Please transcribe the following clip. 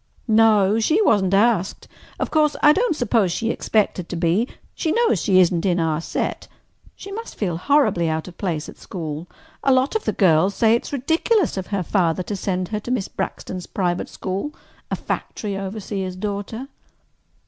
"No. She wasn't asked. Of course, I don't suppose she expected to be. She knows she isn't in our set. She must feel horribly out of place at school. A lot of the girls say it is ridiculous of her father to send her to Miss Braxton's private school—a factory overseer's daughter."